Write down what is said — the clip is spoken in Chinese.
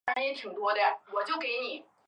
德钦石豆兰为兰科石豆兰属下的一个种。